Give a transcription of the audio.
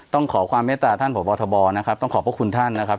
ต้องขอความเมตตาท่านพบทบนะครับต้องขอบพระคุณท่านนะครับ